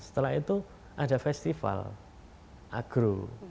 setelah itu ada festival agro